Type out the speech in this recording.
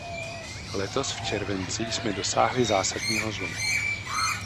Letos v červenci jsme dosáhli zásadního zlomu.